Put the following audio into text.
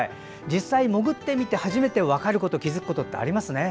実際、潜ってみて初めて分かること気付くことありますね。